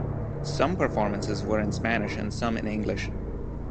Some performances were in Spanish and some in English.